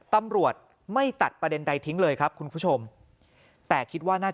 ตำรวจไม่ตัดประเด็นใดทิ้งเลยครับคุณผู้ชมแต่คิดว่าน่าจะ